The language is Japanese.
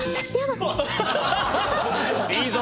いいぞ！